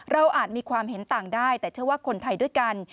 อาจมีความเห็นต่างได้แต่เชื่อว่าคนไทยด้วยกัน